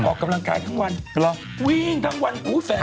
ออกกำลังขายทั้งวันหวิ่งทั้งวัน